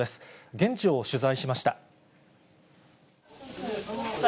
現地を取材しました。